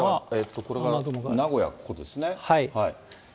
これが名古屋、ここですね。